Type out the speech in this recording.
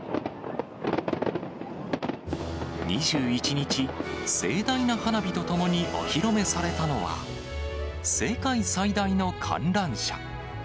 ２１日、盛大な花火とともにお披露目されたのは、世界最大の観覧車。